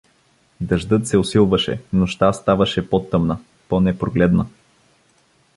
Дъждът се усилваше, нощта ставаше по-тъмна, по-непрогледна.